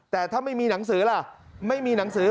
แต่ถ้าไม่มีหนังสือล่ะไม่มีหนังสือ